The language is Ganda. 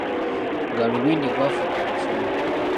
Ggaalubindi gwafuuka musono.